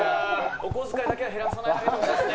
お小遣いだけは減らさないであげてほしいですね。